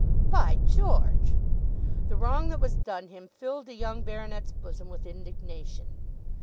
"By George!" The wrong that was done him filled the young baronet's bosom with indignation.